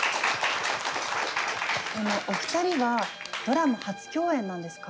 あのお二人はドラマ初共演なんですか？